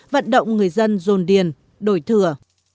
vận động người dân dồn điền đổi thừa